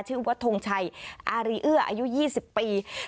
ชื่อว่าทงชัยอาริอื่ออายุ๒๐ปี